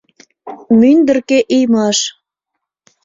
Мӱндыркӧ иймаш...